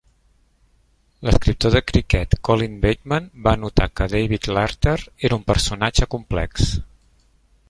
L'escriptor de cricket, Colin Bateman, va notar que David Larter era un personatge complex.